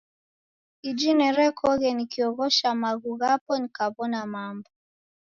Iji nerekoghe nikioghosha maghu ghapo nikaw'ona mamba.